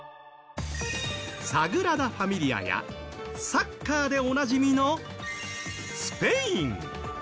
サグラダ・ファミリアやサッカーでおなじみのスペイン。